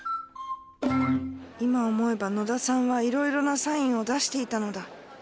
今思えば野田さんはいろいろなサインを出していたのだ。